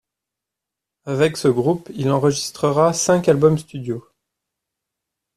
Avec ce groupe, il enregistrera cinq albums studio.